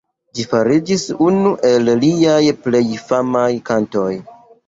Ĝi fariĝis unu el liaj plej famaj kantoj.